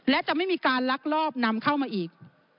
และจะไม่มีการลักลอบนำเข้ามาอีก